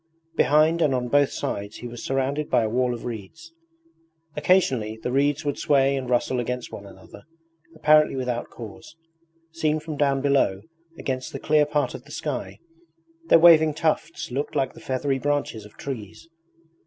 Behind and on both sides he was surrounded by a wall of reeds. Occasionally the reeds would sway and rustle against one another apparently without cause. Seen from down below, against the clear part of the sky, their waving tufts looked like the feathery branches of trees.